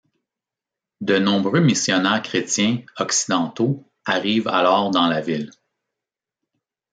De nombreux missionnaires chrétiens occidentaux arrivent alors dans la ville.